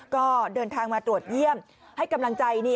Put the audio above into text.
ก็เดินทางมาตรวจเยี่ยมให้กำลังใจ